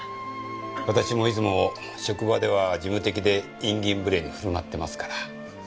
私もいつも職場では事務的で慇懃無礼に振る舞ってますから。